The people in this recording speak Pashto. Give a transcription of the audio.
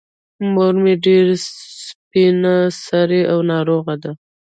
مور مې ډېره سبین سرې او ناروغه ده.